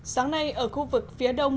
sáng nay ở khu vực phía đông